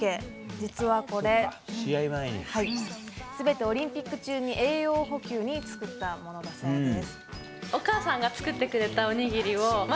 実はこれ、全てオリンピック中に栄養補給に作ったものだそうです。